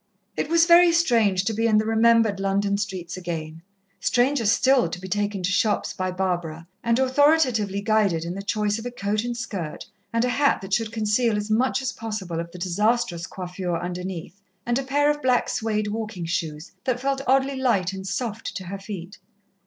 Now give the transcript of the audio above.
It was very strange to be in the remembered London streets again, stranger still to be taken to shops by Barbara and authoritatively guided in the choice of a coat and skirt, a hat that should conceal as much as possible of the disastrous coiffure underneath, and a pair of black suède walking shoes, that felt oddly light and soft to her feet.